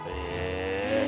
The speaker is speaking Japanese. え。